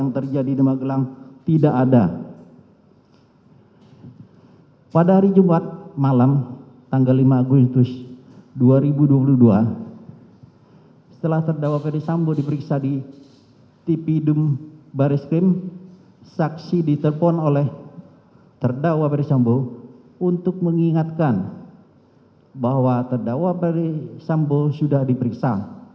pada hari jumat malam tanggal lima agustus dua ribu dua puluh dua setelah terdakwa pd sambo diperiksa di tpd baris krim saksi diterpon oleh terdakwa pd sambo untuk mengingatkan bahwa terdakwa pd sambo sudah diperiksa